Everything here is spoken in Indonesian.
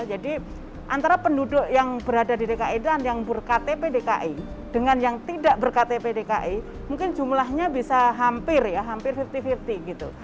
jadi antara penduduk yang berada di dki dan yang ber ktp dki dengan yang tidak ber ktp dki mungkin jumlahnya bisa hampir ya hampir lima puluh lima puluh gitu